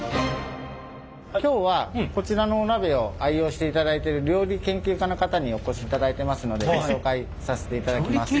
今日はこちらのお鍋を愛用していただいている料理研究家の方にお越しいただいてますのでご紹介させていただきます。